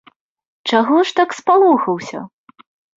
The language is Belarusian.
Чаго ж так спалохаўся?